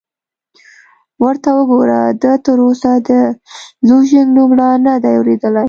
ورته وګوره، ده تراوسه د لوژینګ نوم لا نه دی اورېدلی!